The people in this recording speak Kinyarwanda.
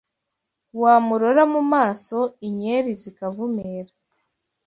Wamurora mu maso Inyeli zikavumera